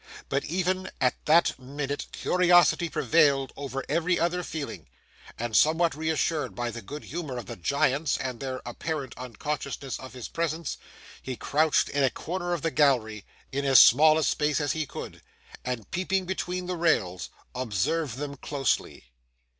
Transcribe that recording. But even at that minute curiosity prevailed over every other feeling, and somewhat reassured by the good humour of the Giants and their apparent unconsciousness of his presence, he crouched in a corner of the gallery, in as small a space as he could, and, peeping between the rails, observed them closely.